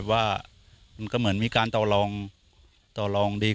ชาวนาในพื้นที่เข้ารวมกลุ่มและสร้างอำนาจต่อรองได้